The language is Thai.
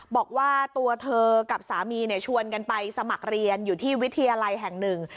บอกว่าตัวเธอกับสามีชวนกันไปสมัครเรียนอยู่ที่วิทยาลัยแห่งหนึ่ง